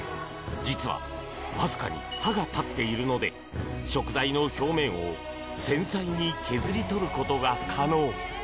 実はわずかに刃が立っているので食材の表面を繊細に削り取ることが可能。